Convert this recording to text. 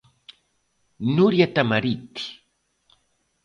Núria Tamarit.